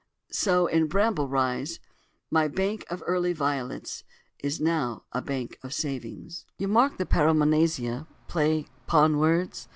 So in "Bramble Rise" "My bank of early violets Is now a bank of savings" ("you mark the paronomasia, play 'pon words"?)